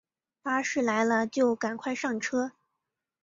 巴士来了就赶快上车